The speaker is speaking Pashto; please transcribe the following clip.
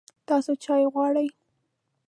تاسو چای غواړئ؟